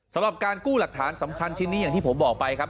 สำหรับการกู้หลักฐานสำคัญชิ้นนี้อย่างที่ผมบอกไปครับ